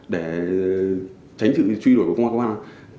để tránh sự truy đuổi của công an